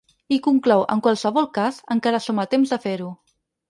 I conclou: En qualsevol cas, encara som a temps de fer-ho.